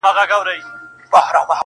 خرامانه په سالو کي ګرځېدي مین دي کړمه!!